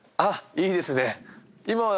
いいですね。